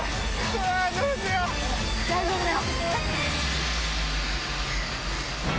⁉大丈夫だよ。